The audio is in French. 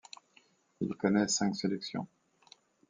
Il connaît cinq sélections.